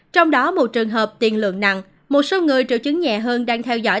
trong đó một trường hợp tiền lượng nặng một số người triệu chứng nhẹ hơn đang theo dõi